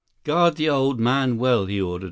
"Guard the old man well," he ordered.